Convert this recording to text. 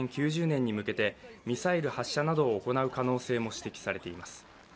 ９０年に向けてミサイル発射などを行う可能性も指摘されています。